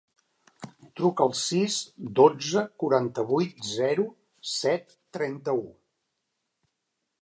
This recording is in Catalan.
Truca al sis, dotze, quaranta-vuit, zero, set, trenta-u.